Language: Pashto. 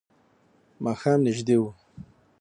ماښام نژدې و.